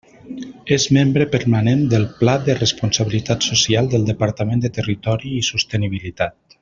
És membre permanent del Pla de responsabilitat social del Departament de Territori i Sostenibilitat.